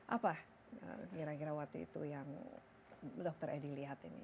apa kira kira waktu itu yang dokter edi lihat ini